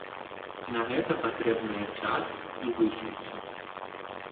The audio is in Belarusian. На гэта патрэбныя час і высілкі.